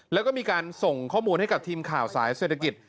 แล้วก็มีการส่งข้อมูลให้กับทีมข่าวสายเศรษฐกิจ